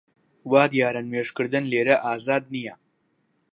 وا دیارە نوێژ کردن لێرە ئازاد نییە